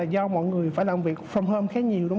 do mọi người phải làm việc from home khá nhiều